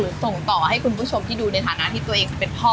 ส่งต่อให้คุณผู้ชมที่ดูในฐานะที่ตัวเองเป็นพ่อ